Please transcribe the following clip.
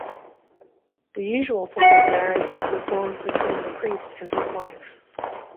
The usual form of marriage is performed between the priest and his wife.